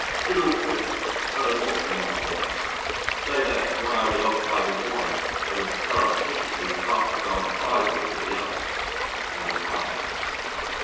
Did all three but unfortunately not at once, so that when I was occupied with one I would surreptitiously cast a glance sideways at the other and repined.